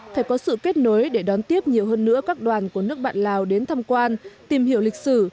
phải có sự kết nối để đón tiếp nhiều hơn nữa các đoàn của nước bạn lào đến thăm quan tìm hiểu lịch sử